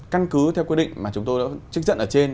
căn cứ theo quy định mà chúng tôi đã trích dẫn ở trên